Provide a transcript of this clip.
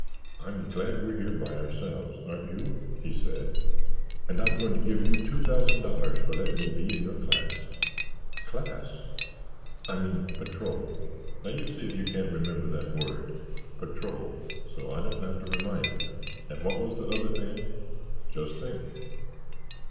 "I'm glad we're here by ourselves, aren't you?" he said, "and I'm going to give you two thousand dollars for letting me be in your class." "Class?" "I mean, patrol." "Now you see if you can't remember that word patrol so I don't have to remind you. And what was the other thing—just think."